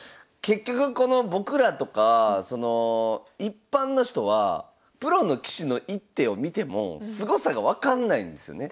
結局この僕らとか一般の人はプロの棋士の一手を見てもすごさが分かんないんですよね。